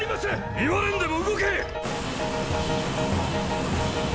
言われんでも動け！